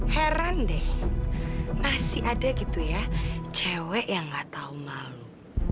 heran deh masih ada gitu ya cewek yang gak tahu malu